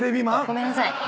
ごめんなさい。